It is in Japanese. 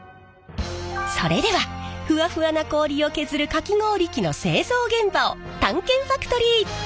それではふわふわな氷を削るかき氷機の製造現場を探検ファクトリー！